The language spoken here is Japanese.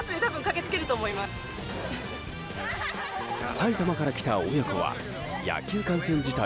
埼玉から来た親子は野球観戦自体